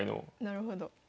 なるほど。